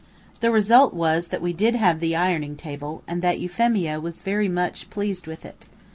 The result was, that we did have the ironing table, and that Euphemia was very much pleased with it.